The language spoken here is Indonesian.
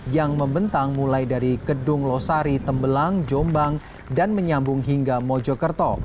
yang membentang mulai dari kedung losari tembelang jombang dan menyambung hingga mojokerto